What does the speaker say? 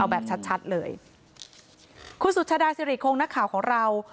แบบชัดชัดเลยคุณสุชาดาสิริคงนักข่าวของเรา